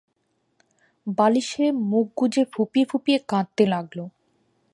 বালিশে মুখ গুঁজে ফুঁপিয়ে-ফুঁপিয়ে কাঁদতে লাগল।